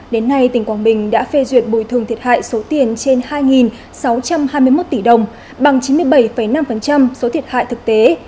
đến nay tỉnh quảng bình đã phê duyệt bồi thường thiệt hại số tiền trên hai sáu trăm hai mươi một tỷ đồng bằng chín mươi bảy năm số thiệt hại thực tế